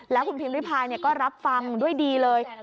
แล้วคุณพิมพิพายก็รับฟังด้วยดีเลย